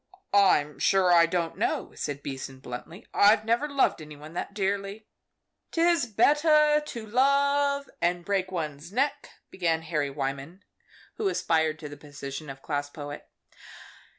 _" "I'm sure I don't know," said Beason, bluntly; "I never loved any one that dearly." "'Tis better to love and break one's neck," began Harry Wyman, who aspired to the position of class poet.